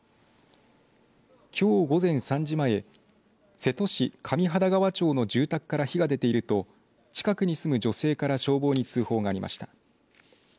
きょう午前３時前瀬戸市上半田川町の住宅から火が上がっていると近くに住む女性から消防に通報がありました。